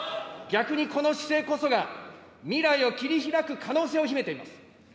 逆にこの姿勢こそが、未来を切りひらく可能性を秘めています。